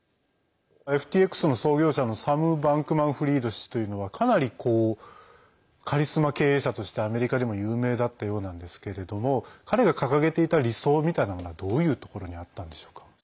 ＦＴＸの創業者のサム・バンクマンフリード氏というのはかなりカリスマ経営者としてアメリカでも有名だったようなんですけれども彼が掲げていた理想みたいなものはどういうところにあったんでしょうか？